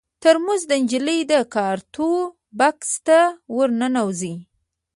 ترموز د نجلۍ د کارتو بکس ته ور ننوځي.